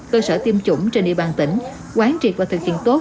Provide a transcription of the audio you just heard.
cơ sở tiêm chủng trên địa bàn tỉnh quán triệt và thực hiện tốt